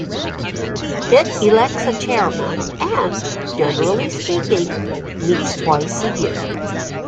It elects a chairman and, generally speaking, meets twice a year.